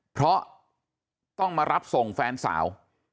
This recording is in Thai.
เพราะต้องมารับส่งแฟนสาว